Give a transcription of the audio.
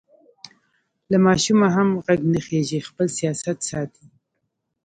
له ماشومه هم غږ نه خېژي؛ خپل سیاست ساتي.